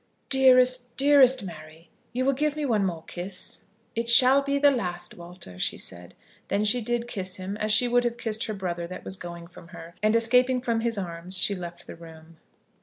"Dearest, dearest Mary. You will give me one more kiss?" "It shall be the last, Walter," she said. Then she did kiss him, as she would have kissed her brother that was going from her, and escaping from his arms she left the room.